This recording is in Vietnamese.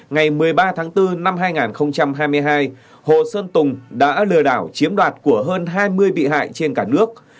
ngày một mươi ba tháng bốn năm hai nghìn hai mươi hai hồ sơn tùng đã lừa đảo chiếm đoạt của hơn hai mươi bị hại trên cả nước